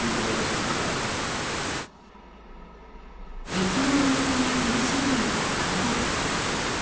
雪の温泉を楽しんでいた観光客。